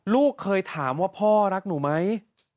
ลูกเคยถามว่าพ่อรักหนูไหม